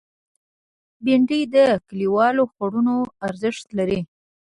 بېنډۍ د کلیوالو خوړونو ارزښت لري